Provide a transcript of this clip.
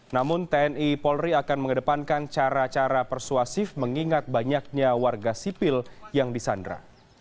namun tni polri akan mengedepankan cara cara persuasif mengingat banyaknya warga sipil yang disandra